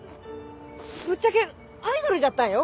ぶっちゃけアイドルじゃったんよ。